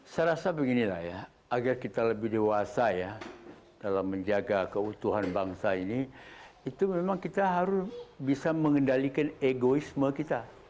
saya rasa beginilah ya agar kita lebih dewasa ya dalam menjaga keutuhan bangsa ini itu memang kita harus bisa mengendalikan egoisme kita